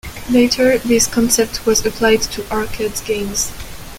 Later, this concept was applied to arcade games.